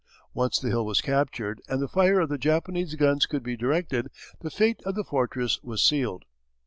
Once the hill was captured and the fire of the Japanese guns could be directed, the fate of the fortress was sealed.